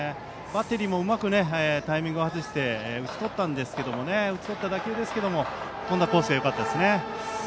バッテリーもうまくタイミングを外して打ち取った打球ですが飛んだコースがよかったですね。